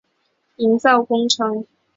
营造工程